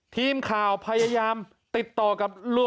ทีมข่าวพยายามติดต่อกับ